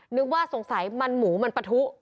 นึกว่าสงสัยมันหมูมันปะทุ